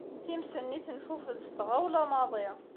Times-nni tenfufed s tɣawla maḍi.